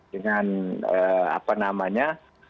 dengan apa namanya